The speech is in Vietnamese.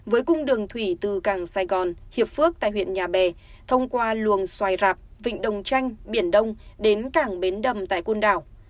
với cung đường thủy từ cảng sài gòn hiệp phước tại huyện nhà bè thông qua luồng xoài rạp vịnh đồng tranh biển đông đến cảng bến đầm tại côn đảo